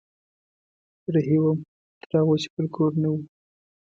رهي وم تر هغو چې بل کور نه و